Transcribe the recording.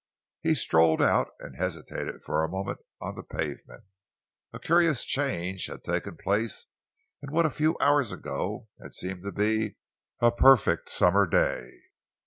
He strolled out and hesitated for a moment on the pavement. A curious change had taken place in what a few hours ago had seemed to be a perfect summer day.